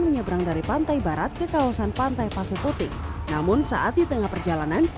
menyeberang dari pantai barat ke kawasan pantai pasir putih namun saat di tengah perjalanan